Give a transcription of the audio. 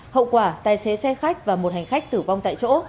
hậu quả tài xế xe khách và một hành khách tử vong tại chỗ